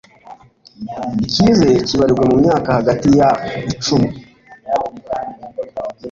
ikizere kibarirwa mu myaka hagati ya icumi